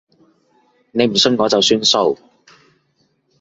你唔信我就算數